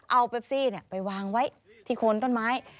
เอาเปปซี่ไปวางไว้ที่โคนต้นไม้